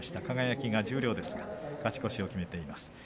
輝、十両ですが勝ち越しを決めています。